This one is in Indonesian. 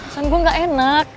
bukan gue gak enak